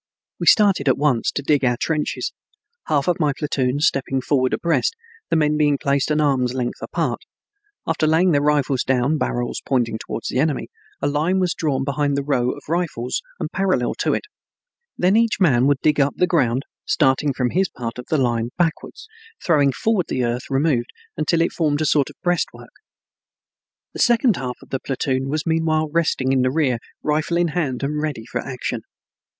We started at once to dig our trenches, half of my platoon stepping forward abreast, the men being placed an arm's length apart. After laying their rifles down, barrels pointing to the enemy, a line was drawn behind the row of rifles and parallel to it. Then each man would dig up the ground, starting from his part of the line backwards, throwing forward the earth removed, until it formed a sort of breastwork. The second half of the platoon was meanwhile resting in the rear, rifle in hand and ready for action.